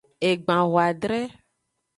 Egban hoadre.